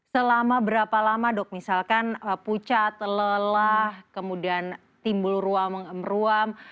selama berapa lama dok misalkan pucat lelah kemudian timbul meruam